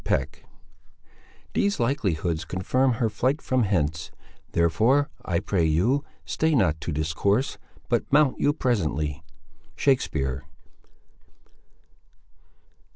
CHAPTER XVI These likelihoods confirm her flight from hence, Therefore, I pray you, stay not to discourse, But mount you presently. —Shakespeare.